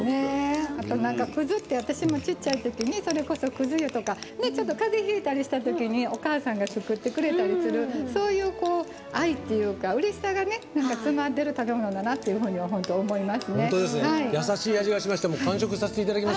葛って私もちっちゃいときにそれこそ葛湯とかかぜひいたりしたときにお母さんが作ってくれたりするそういう愛っていうかうれしさが詰まってる食べ物だなっていうふうに思います。